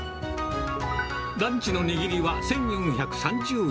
ランチのにぎりは１４３０円。